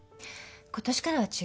今年からは違う。